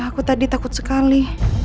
aku tadi takut sekali